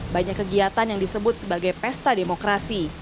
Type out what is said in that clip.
banyak kegiatan yang disebut sebagai pesta demokrasi